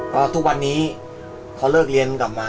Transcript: ก็ทุกวันนี้เขาเลิกเรียนกลับมา